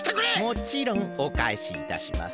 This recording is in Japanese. もちろんおかえしいたします。